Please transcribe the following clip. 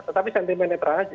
tetapi sentimen netralnya